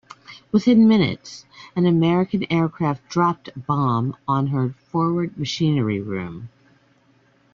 Within minutes, an American aircraft dropped a bomb on her forward machinery room.